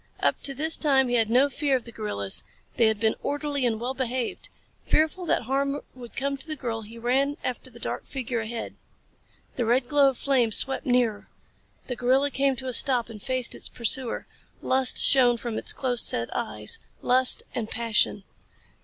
Up to this time he had felt no fear of the gorillas. They had been orderly and well behaved. Fearful that harm would come to the girl he ran after the dark figure ahead. The red glow of flames swept nearer. The gorilla came to a stop and faced its pursuer. Lust shone from its close set eyes lust and passion.